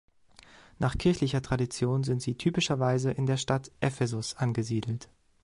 Nach kirchlicher Tradition sind sie typischerweise in der Stadt Ephesus angesiedelt.